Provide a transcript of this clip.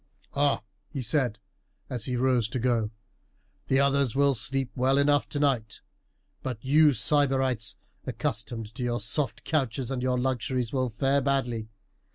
"Ah!" he said as he rose to go, "the others will sleep well enough tonight; but you sybarites, accustomed to your soft couches and your luxuries, will fare badly.